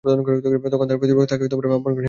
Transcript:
তখন তাঁর প্রতিপালক তাঁকে আহ্বান করলেন, হে মূসা!